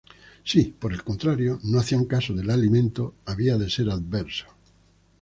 Si, por el contrario, no hacían caso del alimento, había de ser adverso.